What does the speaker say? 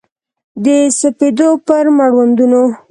د سپېدو پر مړوندونو